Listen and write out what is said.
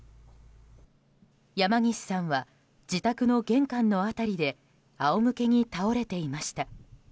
山岸さんは自宅の玄関の辺りで仰向けに倒れていました。